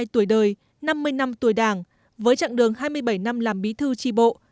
tám mươi hai tuổi đời năm mươi năm tuổi đảng với chặng đường hai mươi bảy năm làm bí thư chi bộ